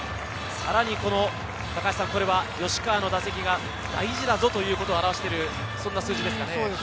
さらに吉川の打席が大事だぞということを表しているという数字ですね。